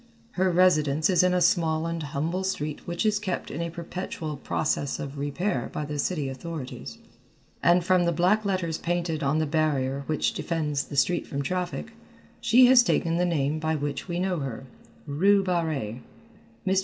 Her residence is in a small and humble street which is kept in a perpetual process of repair by the city authorities, and from the black letters painted on the barrier which defends the street from traffic, she has taken the name by which we know her, Rue Barrée. Mr.